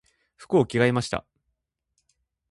服を着替えました。